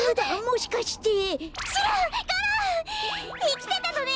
いきてたのね！